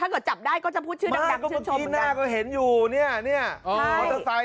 ถ้าเกิดจับได้ก็จะพูดชื่อดังชื่อชมมากก็เพราะพี่หน้าก็เห็นอยู่เนี่ยเนี่ย